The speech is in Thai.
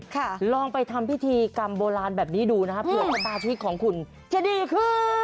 ลองไปทำพิธีกรรมโบราณแบบนี้ดูนะครับเผื่อสมาธิของคุณจะดีขึ้น